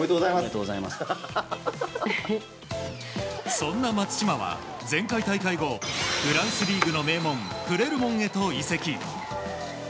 そんな松島は前回大会後フランスリーグの名門クレルモンへと移籍。